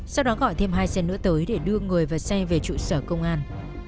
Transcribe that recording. sau đó gọi thêm hai xe nữa tới để đưa người và xe về trụ sở công an